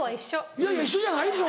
いやいや一緒じゃないでしょ。